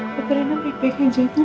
beneran yang baik baik aja itu